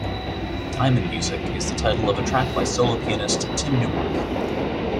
"Diamond Music" is the title of a track by solo pianist Tim Neumark.